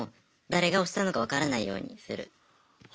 誰が押したのか分からないようにする。